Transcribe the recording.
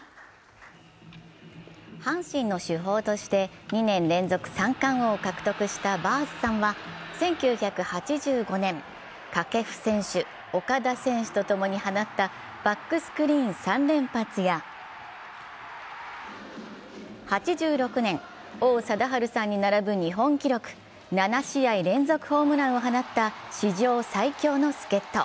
阪神の主砲として２年連続三冠王を獲得したバースさんは、１９８５年、掛布選手、岡田選手とともに放ったバックスクリーン３連発や８６年、王貞治さんに並ぶ日本記録、７試合連続ホームランを放った史上最強の助っ人。